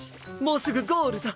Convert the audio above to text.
もうすぐゴールだ！